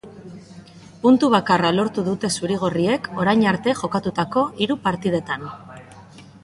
Puntu bakarra lortu dute zuri-gorriek orain arte jokatutako hiru partidetan.